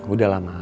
udah lah ma